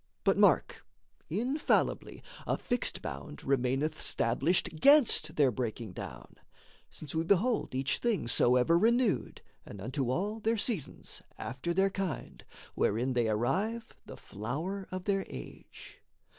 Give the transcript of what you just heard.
But mark: infallibly a fixed bound Remaineth stablished 'gainst their breaking down; Since we behold each thing soever renewed, And unto all, their seasons, after their kind, Wherein they arrive the flower of their age.